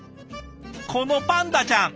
このパンダちゃん。